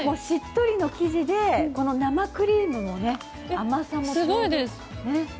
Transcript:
しっとりの生地で生クリームの甘さもね。